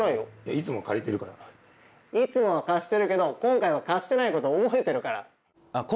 いつも借りてるからいつもは貸してるけど今回は貸してないこと覚えてるからでも